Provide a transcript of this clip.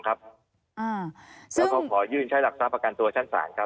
แล้วขอยืนใช้หลักษณะประกันตัวสถานฝากครับ